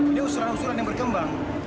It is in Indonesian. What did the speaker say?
ini usulan usulan yang berkembang